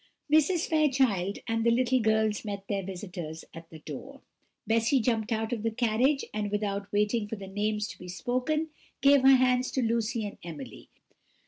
Mrs. Fairchild and the little girls met their visitors at the door. Bessy jumped out of the carriage, and without waiting for the names to be spoken, gave her hands to Lucy and Emily.